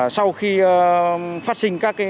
sau khi phát sinh các cái f